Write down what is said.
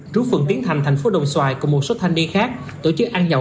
trú phường biến thành thành phố đồng xoài cùng một số thanh niên khác tổ chức ăn nhậu